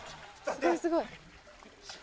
すごい。